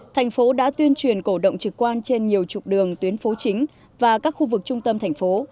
thành phố đã tuyên truyền cổ động trực quan trên nhiều trục đường tuyến phố chính và các khu vực trung tâm thành phố